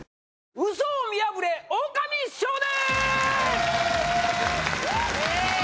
ウソを見破れ「オオカミ少年！」